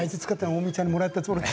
近江ちゃんにもらったものを。